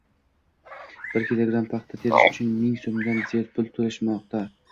Bir kilogramm paxta terish uchun ming soʻmdan ziyod pul toʻlanmoqda.